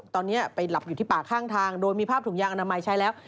ตอนนี้ไปหลับอยู่ที่ป่าข้างทางโดยมีภาพถุงยางอนามัยใช้แล้ว